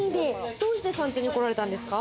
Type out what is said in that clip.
どうして三茶に来られたんですか？